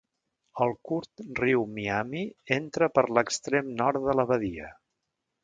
El curt riu Miami entra per l'extrem nord de la badia.